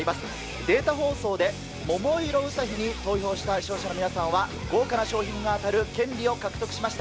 データ放送で、桃色ウサヒに投票した視聴者の皆さんは、豪華な賞品が当たる権利を獲得しました。